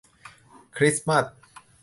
คริสต์มาส